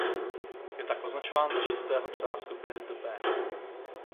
Je tak označován za „šestého člena skupiny The Band“.